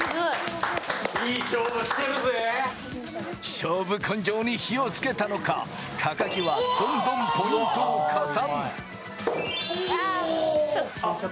勝負根性に火をつけたのか、高木はどんどんポイントを加算。